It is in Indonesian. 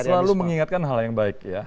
selalu mengingatkan hal yang baik ya